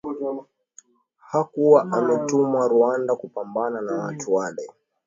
Hakuwa ametumwa Rwanda kupambana na watu wale